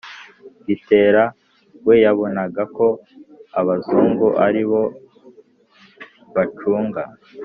Gitera we yabonaga ko abazungu ari bo bacunga